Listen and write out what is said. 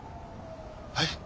はい？